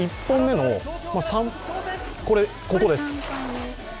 １本目のここです。